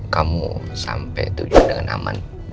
kamu sampai tujuan dengan aman